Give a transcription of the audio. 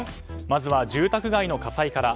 まずは住宅街の火災から。